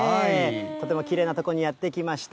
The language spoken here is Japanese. とてもきれいな所にやって来ました。